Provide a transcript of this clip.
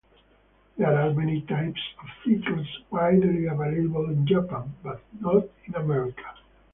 There are many types of citrus widely available in Japan but not in America.